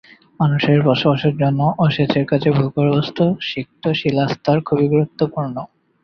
মানুষের বসবাসের জন্য ও সেচের কাজে ভূগর্ভস্থ সিক্ত শিলাস্তর খুবই গুরুত্বপূর্ণ।